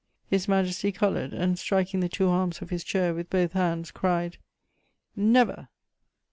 His Majesty coloured and, striking the two arms of his chair, with both hands, cried: "Never!"